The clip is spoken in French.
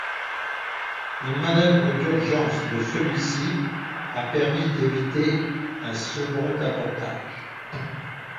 Une manœuvre d'urgence de celui-ci a permis d'éviter un second abordage.